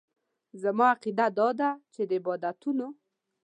زما عقیده داده چې د عبادتونو.